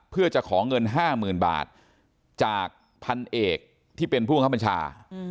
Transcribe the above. เพื่อจะของเงิน๕มื่นบาทจากพันเอกที่เป็นผู้ข้างเพิ่มชา